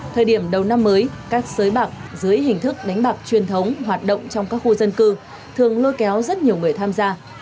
thời điểm đầu năm mới các sới bạc dưới hình thức đánh bạc truyền thống hoạt động trong các khu dân cư thường lôi kéo rất nhiều người tham gia